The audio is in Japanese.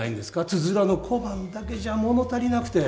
つづらの小判だけじゃもの足りなくて。